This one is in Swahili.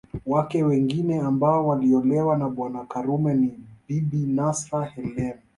Wake wengine ambao waliolewa na Bwana Karume ni Bibi Nasra Helemu